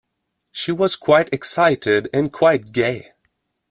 She was quite excited, and quite gay.